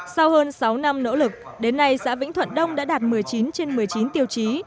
sau hơn sáu năm nỗ lực đến nay xã vĩnh thuận đông đã đạt một mươi chín trên một mươi chín tiêu chí